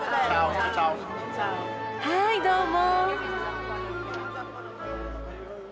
はいどうも。